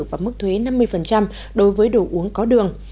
và mức thuế năm mươi đối với đồ uống có đường